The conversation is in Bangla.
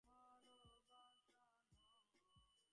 তাঁহার বাপ সুচেতসিংহ ত্রিপুরায় রাজবাটীর একজন পুরাতন ভৃত্য ছিলেন।